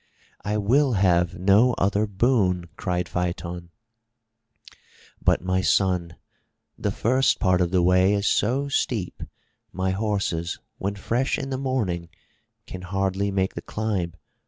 "I will have no other boon," cried Phaeton. "But my son, the first part of the way is so steep my horses, when fresh in the morning, can hardly make the climb.